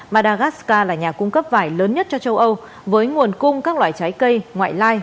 madagascar là nhà cung cấp vải lớn nhất cho châu âu với nguồn cung các loại trái cây ngoại lai